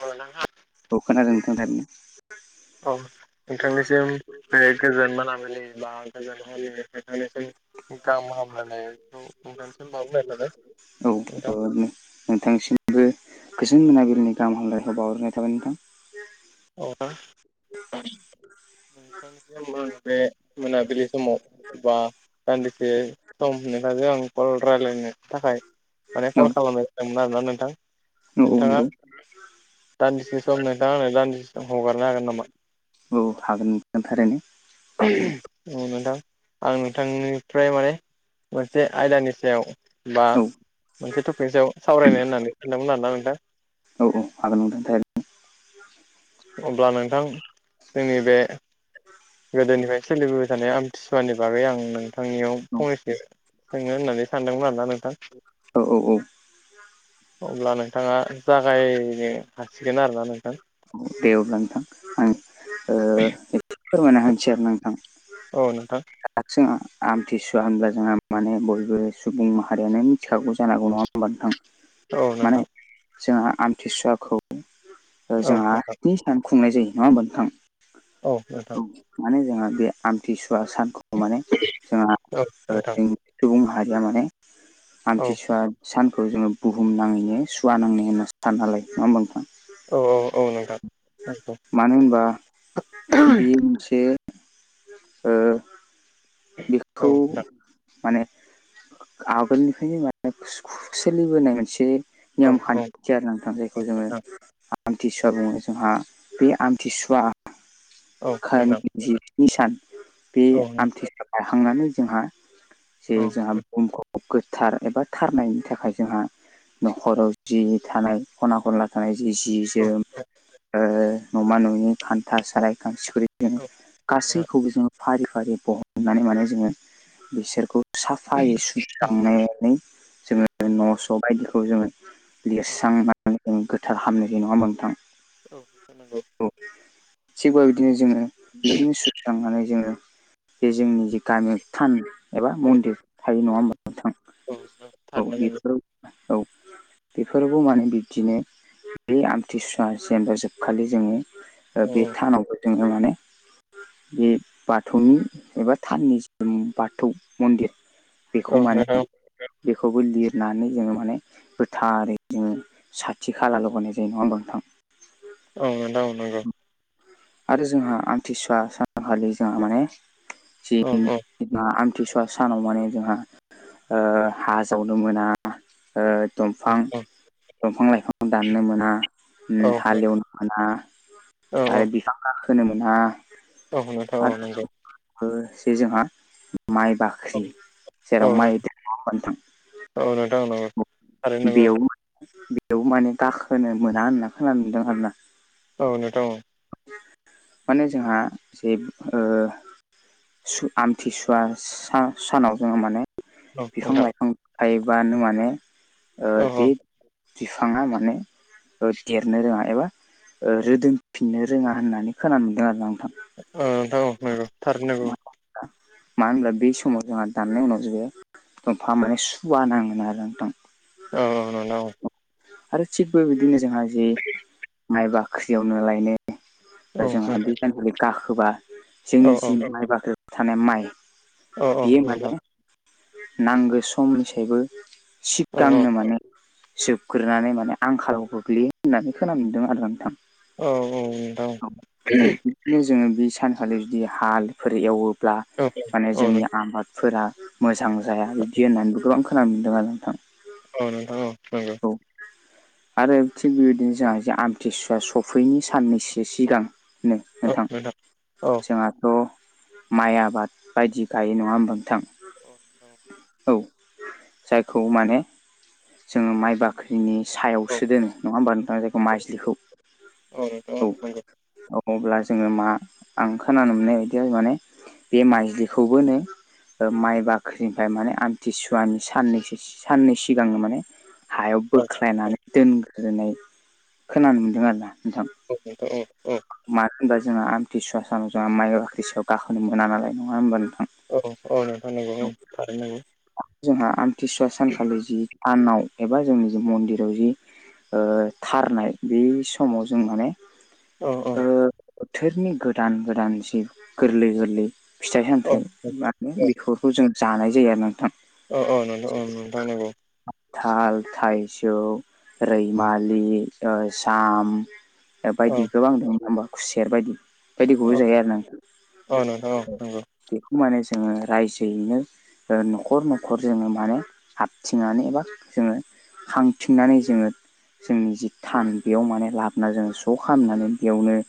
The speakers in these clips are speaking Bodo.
औ औ खोनादों नोंथां औ नोंथांनिसिम बे गोजोन मोनामिलि बा गोजोन हरनि नोंथांनिसिम गाहाम हामब्लायनायखौ‌ नोंथांनिसिम जासिहरनाय थाबाय औ ओ नोंथां नोंथांसिमबो गोजोन मोनाबिलिनि गाहाम हामलायखौ बावहरनाय थाबाय नोंथां अ उ [unintelligible] नोंथां बे मोनाबिलि समाव बा दानदिसे बे सम होनखो आं कल रायज्लायनो थाखाय माने औ कल खालामबाय हमनो हादोंना नोंथां औ नोंथांङा नंगौ दानदिसे सम नोंथांङा दानदिसे सम हगारनो हागोन नामा औ हागोन नोंथां थारैनो ओम नोंथां आं नोंथांनिफ्राय माने मोनसे आयदानि सायाव बा औ मोनसे टपिकनि सायाव सावरायनो होननानै सानदोंमोन आरोना नोंथां औ औ हागोन नोंथां थारैनो अब्ला नोंथां जोंनि बे गोदोनिफ्राय सोलिबोबाय थानाय आमथिसुवानि बागै आं नोंथांनियाव फंनैसो सोंनो होननानै सानदोंमोन आरोना नोंथां औ औ औ [unintelligible] अब्ला नोंथांङा जागायनो हासिगोन आरोना नोंथां दे अब्ला नोंथां आं ओ फोरमायना होनोसै आरो नोंथां औ नोंथां दा जों आमथिसुवा होनब्ला जोंहा माने बयबो सुबुं माहारियानो मिथिखागौ जानांगौ नंङा होमबा नोंथां औ माने नोंथां जोंहा आमथिसुवाखौ औ जोंहा नोंथां सिनि सान खुंनाय जायो नंङा होमबा नोंथां औ नोंथां औ माने जोंहा बे आमथिसुवा सानखौ माने जोंहा औ नोंथां जों सुबुं माहारिया माने औ आमथिसुवा सानखौ जोंङो बुहुम नांङैनो सुवा नांनाय होनना सानना नालाय नंङा होनबा नोंथां औ औ औ नोंथां नंगौ मानो होनबा बियो मोनसे ओ औ नोंथां औ बिखौ नोंथां माने आगोलनिफ्रायनो माने सोलिबोनाय मोनसे औ नियम नोंथां खान्थि आरो नोंथां जायखौ जोङो आमथिसुवा बुङो जोंहा बे आमथिसुवा [unintelligible] जिस्नि सान बे औ आमथिसुवा बायखांनानै जोंहा जे जोंहा बुहुमखौ गोथार एबा थारनायनि थाखाय जोंहा नखराव जि थानाय खना खनला थानाय जि जोम ओ नमा न'नि खानथा साराइ खांसि खुरैखौ नोंथां गासैखौबो जोङो फारि फारि बहननानै माने जोङो बिसोरखौ साफायै सुस्रांनानै जोङो औ न' स' बायदिखौ जोङो औ लिरस्रांनानै जों गोथार खामनाय जायो नङा ओमबा औ नंगौ नोंथां औ थिग बेबायदिनो जोङो बिदिनो सुस्रांनानै जोङो बे जोंनि जे गामियाव थान एबा औ मन्दिर थायो नङा ओमबा नोंथां? औ औ थारैनो नंगौ बेफोराव औ बेफोरावबो माने बिब्दिनो बे आमथिसुवा जेनबा जोबखालि जोङो ओ औ बे थानावबो जोङो माने बे बाथौनि एबा थाननि जि बाथौ मन्दिर बेखौ औ माने नोंथां बेखौबो लिरनानै जोङो माने गोथारै जोङो साथि खाला लगायनाय जायो नङा ओमबा नोंथां? औ नोंथां नंगौ। आरो जोंहा आमथिसुवा सानखालि जोंहा माने जि औ मा आमथिसुवा सानाव माने जोंहा ओ हा जावनो मोना ओ दंफां नोंथां दंफां लाइफां दाननो मोना औ उम हाल एवनो मोना आरो बिफां गाखोनो मोना औ नोंथां औ आरो नंगौ। लोगोसे जोंहा माइ बा ख्रि औ जेराव माइ नोंथां दोनो नङा ओमबा औ नंगौ थारैनो नोंथां [unintelligible] नंगौ बेयावबो मा बेयावबो माने गाखोनो मोना होनना खोननो मोनदों आरोना। औ नोंथां औ माने जोंहा जे ओ सु आमथिसुवा सा सानाव जोङो माने औ बिफां नोंथां लाइफां थायोबानो माने ओ औ बे बिफाङा माने ओ देरनो रोङा एबा रोदोमफिननो रोङा होननानै खोनानो मोनदों आरो नोंथां। औ नोंथां औ नंगौ थारै नंगौ। मानो होनब्ला बे समाव जोंहा दाननाय उनाव जेबो दंफाङा माने सुवा नाङोनो आरो नोंथां। ओ नोंथां औ आरो थिग बेबायदिनो जोंहा जि माइ बाख्रि उनु लायनाय औ ओमफ्राय नोंथां जोंहा बि सानखालि गाखोबा औ जोंनि जि माइ बाख्रियाव थानाय माइ औ औ बियो नोंथां माने नांगो समनिसायबो औ नोंथां सिगांनो माने जोबग्रोनानै माने आंखालाव गोग्लैयो होननानै खोनानो मोनदों आरो नोंथां। औ औ नोंथां औ बिदिनो जोङो बे सानखालि जुदि हालफोर एवोब्ला माने औ नोंथां औ नंगौ जोंनि आबादफोरा मोजां जाया बिबदि होननानैबो गोबां खोनानो मोनदों आरो नोंथां। औ नोंथां औ नंगो। औ आरो थिग बेबायदिनो जोंहा आमथिसुवा सफैयैनि साननै सि सिगांनो नोंथां औ जोंहाथ' माइ आबाद बायदि गायो नङा ओमबा नोंथां? औ जायखौ माने जोङो माइ बाख्रिनि सायावसो दोनो नङा होमबा नोंथां जायखौ माइज्लिखौ औ नोंथां औ औ-औ अब्ला जोङो मा आं खोनानो मोननाय बायदि आरो माने बे माइज्लिखौबोनो ओ माइ बाख्रिनिफ्राय माने आमथिसुवानि साननैसो साननै सिगांनो माने हायाव औ बोख्लायनानै दोनग्रोनाय खोनानो मोनदों आरोना नोंथां। औ नोंथां औ-औ मानो होनबा जोंहा आमथिसुवा सानाव जोंहा माइ बाख्रि सायाव गाखोनो मोना नालाय नङा होनबा नोंथां। औ-औ नोंथां नंगौ औ थारैनो नंगौ। जोंहा आमथिसुवा सानखालि जि सानाव एबा जोंनि जि मन्दिराव जि ओ‌ थारनाय बे समाव जों माने औ औ ओ बोथोरनि गोदान गोदान जि गोरलै गोरलै फिथाइ औ सामथाइ बा बेफोरखौ जों जानाय जायो आरोना नोंथां। औ औ नोंथां औ नोंथां नंगौ। ताल थाइजौ रैमालि ओ जाम औ बायदि गोबां दं नङा होनबा खुसेर बायदि बेबायदि गुबुन औ जायो आरो ना। औ नोंथां औ नंगौ बेखौ माने जोंङो रायजोयैनो न'खर न'खर जोंङो माने हारथिंनानै एबा जोंङो हांथिंनानै जोंङो जोंनि जि थान बेयाव माने लाबोना जोंङो स' खालामनानै बेयावनो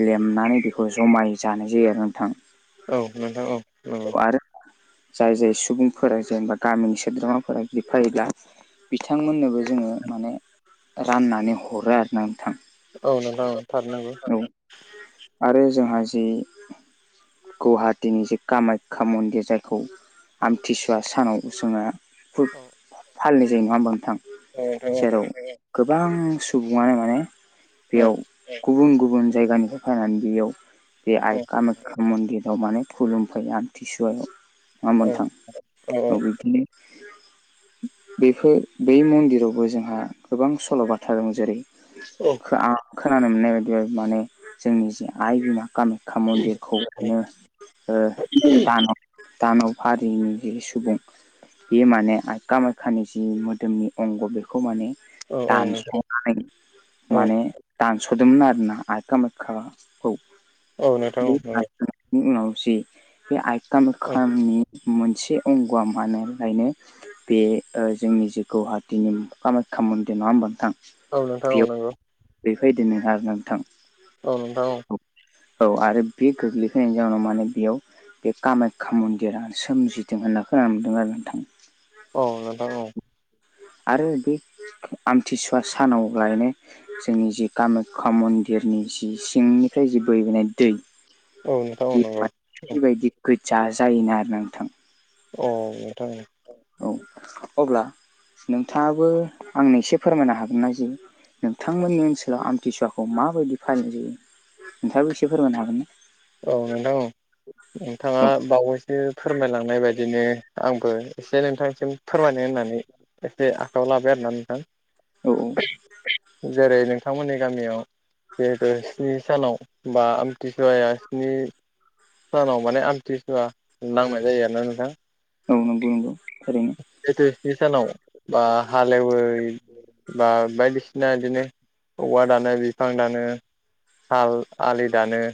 लेमनानै बेखौ जमायै जानाय जायो आरो ना नोंथां। औ नोंथां औ नंगौ आरो जाय जाय सुबुंफोरा जेनेबा गामिनि सोद्रोमाफोरा बिदि फायोब्ला बिथांमोननोबो जोंङो माने राननानै हरो आरो ना नोंथां। औ नोंथां औ थारैनो नंगौ। औ आरो जोंहा जि गुवाहाटिनि जि कामाख्या मन्दिर जायखौ औ आमथिसुवा सानाव जोंहा खुब औ फालिनाय जायो नंङा होमबा नोंथां। औ नोंथां जेराव गोबां सुबुंङानो माने औ बेयाव गुबुन गुबुन जायगानिफ्राय फैनानै बेयाव बे आइ औ कामाख्या मन्दिर याव माने खुलुमफैयो आमथिसुवायाव नङा होमब्ला औ नोंथां औ बिदिनो [inaudible] बेफोर बे मन्दिरावबो जोंहा गोबां सल'बाथा दं जेरै आं खोनानो मोननाय बायदिबा माने जोंनि जि आइ बिमा कामे खा मन्दिरखौ दानाव हारिनि जा सुबुं बे माने आइ खामायखानि जि मोदोमनि अंग बेखौ माने दानसनानै माने दानस'दोंमोन आरोना आइ खामायखाखौ। औ नोंथां औ नोंथां औ नंगौ औ मि उनाव जि आइ खामायखानि मोनसे अंग'आ मा होनो लायनो बे जोंनि जे गुवाहाटिनि कामाख्या मन्दिर नङा होमबा नोंथां। औ नोंथां औ नंगौ बेबायदिनो आरोना नोंथां। औ नोंथां औ औ आरो बे गोग्लैखैनायनि जाउनाव माने बेयाव बे कामाख्या मन्दिरानो सोमजिदों होनना खोनानो मोनदों आरो नोंथां। औ नोंथां औ। आरो बे आमथिसुवा सानाव लायनो जोंनि जि कामाख्या मन्दिरनि जि सिंनिफ्राय जि बोहबोनाय दै औ नोंथां औ बे नंगौ। बेबायदि गोजा जायोना आरोना नोंथां औ नोंथां औ अब्ला नोंथाङाबो आंनो एसे फोरमायनो हागोननाा जे नोंथांमोननि ओनसोलाव आमथिसुवाखौ माबायदि फालिनाय जायो नोंथाङाबो एसे फोरमायनो हागोन ना औ नोंथां नोंथांङा औ बावैसो फोरमायलांनाय बायदिनो आंबो एसे नोंथांसिम फोरमायनो होननानै एसे आखायाव लाबाय आरोना नोंथां औ औ जेरै नोंथांमोननि गामियाव जिहेथु स्नि सानाव बा आमथिसुवाया स्नि सानाव माने आमथिसुवा नांनाय जायो आरोना नोंथां ओ नंगौ नंगौ थारैनो सानाव बा हाल एवै बा बायदिसिना बिदिनो औवा दानो बिफां दानो हाल आलि दानो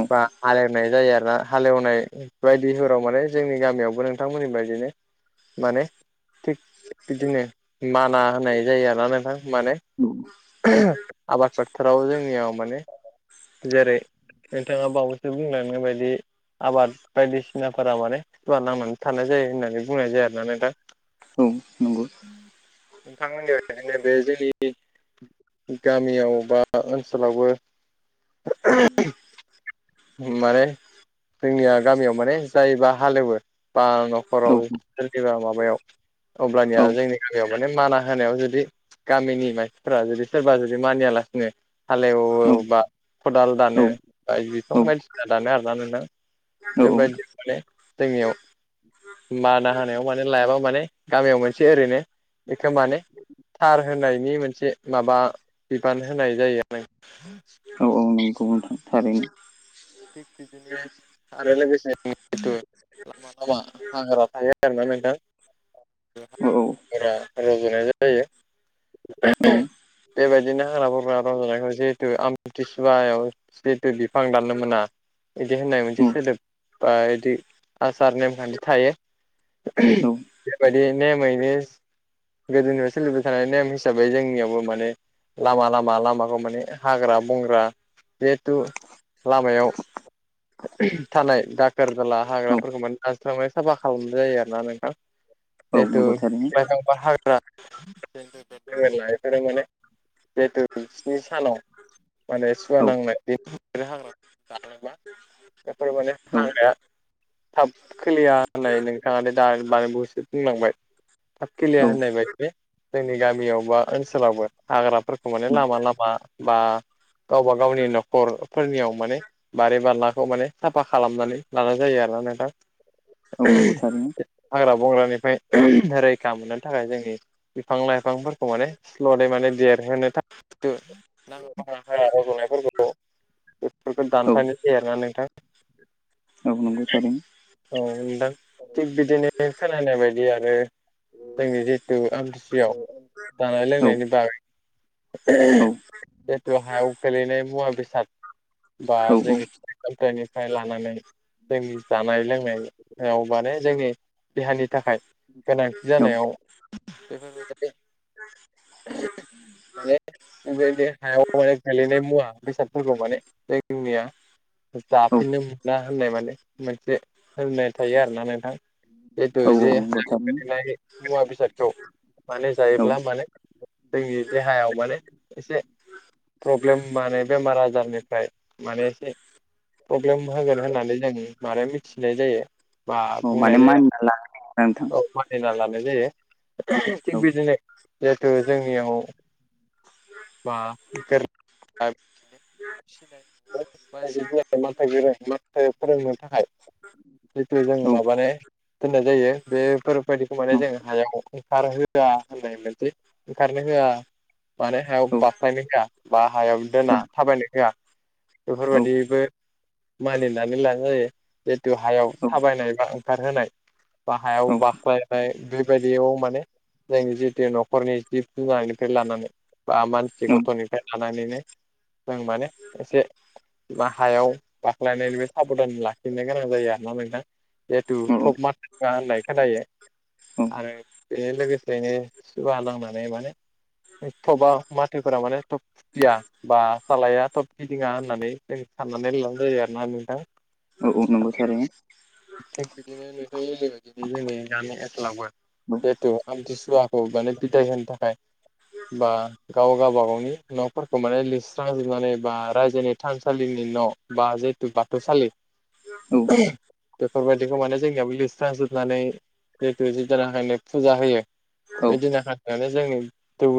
औ बा हालेवनाय जायो आरोना हालेवनाय बायदिफोराव माने जोंनि गामियावबो नों नोंथमोननि बायदिनो माने थिग बिदिनो माना होनाय जायो आरो ना नोंथां माने औ आबाद फोथाराव जोंनियाव माने जेरै नोंथाङा बावैसो बुंलांनाय बायदि आबाद बायदिसिनाफोरा माने सुवा नांनानै थानाय जायो होननानै बुंनाय जाया आरो ना नोंथां औ नंगौ नोंथांमोननि खायनो बे जुदि गामियाव बा ओनसोलावबो [inaudible] माने जोंनिया गामियाव माने जायोबा हाल एवो बा न'खराव औ सोरनिबा माबायाव अब्लानिया औ जोंनि गामियाव माने माना होनायाव जुदि गामिनि मानसिफोरा जुदि सोरबा जुदि मानियालासिनो हालेवो औ बा खदाल दानो बा बिदि औ गोबां बायसिना दानो आरो ना नोंथां औ बेबायदि माने जोंनियाव बादा होनायाव माने लायाबा माने गामियाव मोनसे ओरैनो एखौ माने थार होनायनि मोनसे माबा बिबान होनाय जायो आरो औ औ नंगौ नोंथां थारैनो बिदिनो आरो लोगोसे जिहेथु लामा लामा हाग्रा थायो आरोना नोंथां औ औ हाग्रा रजनाय औ जायो बेबायदिनो हाग्रा बंग्रा रजनायखौ जिहेतु आमथिसुवायाव जिहेतु बिफां दाननो मोना बिदि होननाय मोनसे औ सोदोब बा बिदि आसार नेमखान्थि थायो औ बेबायदि नेमैनो गोदोनिफ्राय सोलिबाय थानाय नेम हिसाबै जोंनियावबो माने लामा लामा लामाखौ माने हाग्रा बंग्रा जिहेथु लामायाव थानाय दाखोर दाला हाग्राफोरखौ माने दानस्रांनाय साफा खालामनाय जायो आरो ना नोंथां औ जिहेथु नंगौ थारैनो लाइफां बा हाग्रा बेफोरो माने जेहेतु स्नि सानाव माने सुवा औ नांनाय बे हाग्रा लानोबा माने औ हाया थाब खोलिया होननाय नोंथाङा मानो दहायसो बुंलांबाय थाब खिलिया औ होननाय बायदि जोंनि गामियाव बा ओनसोलावबो हाग्राफोरखौ माने लामा लामा बा गावबा गावनि न'खरफोरनियाव माने बारि बागानखौ माने साफा खालामनानै लानाय जायो आरोना नोंथां औ नंगौ थारैनो हाग्रा बंग्रानिफ्राय रैखा मोननो थाखाय जोंनि बिफां लाइफांफोरखौ माने स्ल'द दै माने देरहोनो थाखाय नाङा फाङा हायाव रज'नायफोरखौ बेफोरखौ औ दानफायनो खोनादों ना नोंथां औ नंगौ थारैनो औ नंगौ औ नोंथां थिग बिदिनो खोनानाय बायदि आरो जोंनि जिथु आमथि सुवायाव जानाय लोंनायनि बागै जिथु हायाव गेलेनाय मुवा बेसाद बा जों सिन्थायनिफ्राय लानानै जोंनि जानाय लोंनाय याव माने जोंनि देहानि थाखाय गोनांथि जानायाव बेफोरबायदि [unintelligible] माने बेबायदि हायाव गेलेनाय मुवा बेसादफोरखौ माने [unintelligible] जाफिननो मोना होननाय माने मोनसे होननाय थायो आरोना नोंथां। जिथु जे हायाव थारैनो गोलैनाय मुवा बेसादखौ माने औ जायोब्ला माने जोंनि देहायाव माने एसे प्रब्लेम माने बेमार आजारनिफ्राय माने एसे प्रब्लेम होगोन होननानै जों माने मिथिनाय जायो। बा माने बुंनाय जाया मानिना लानो नागिरा नोंथां औ मानिना लानाय जायो औ थिग बिदिनो जिहेथु जोंनियाव बा गोरा [unintelligible] फोरोंनो थाखाय जिथु जों औ माबानाय दोननाय जायो बेफोरबायदिखौ माने औ जों हायाव ओंखार होआ होननाय मोनसे ओंखारनो होआ माने हायाव औ बाख्लायनो होआ बा हायाव दोना थाबायनो होआ। बेफोरबायदिबो मानिनानै लानाय जायो जितु हायाव थाबायनाय बा खारहोनाय बा औ हायाव बाख्लायनाय बेबायदियाव माने नों जितु न'खरनि जिब जुनारनिफ्राय लानानै बा मानसि गथ'निफ्राय थानानैनो जों माने एसे बा हायाव बाख्लायनायनिबो साबधान लाखिनो गोनां जायो आरोना नोंथां। जिहेथु टप मार्का होननाय खोनायो औ आरो बेजों लोगोसेनो सुवा नांनानै माने थबा माथोफोरा माने थब फुथिया बा सालाया थब गिदिङा होननानै साननानै लाबानो जायो आरो ना नोंथां। औ औ नंगौ थारैनो। थिग बिदिनो नोंथां मोननि बादिनो जोंनि गामि ओनसोलावबो जिहेथु आमथिसुवाखौ माने बिदाय होनो थाखाय बा गाव गावबा गावनि न'फोर माने लिरस्रांजोबनानै बा रायजोनि थानसालिनि न' बा जिहथु बाथौसालि [inaudible] औ बेफोरबायदिखौ माने जोंनियाबो लिरस्रांजोबनानै जितु जिदिना हाय नों फुजा होयो औ बेदिना [unintelligible] जोंनि दौरि